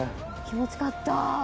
気持ちかった。